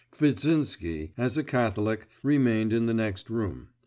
Kvitsinsky, as a Catholic, remained in the next room.